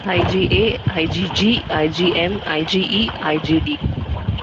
IgA, IgG, IgM, IgE, IgD.